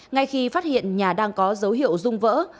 ngay khi phát hiện nhà đang có dấu hiệu dung vỡ